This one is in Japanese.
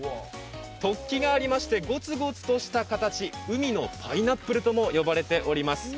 突起がありまして、ゴツゴツした形海のパイナップルとも呼ばれています。